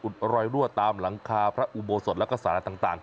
รอยรั่วตามหลังคาพระอุโบสถแล้วก็สาระต่าง